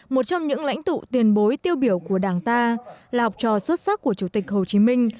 một trong những lãnh tụ tiền bối tiêu biểu của đảng ta là học trò xuất sắc của chủ tịch hồ chí minh